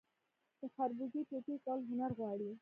د خربوزې ټوټې کول هنر غواړي.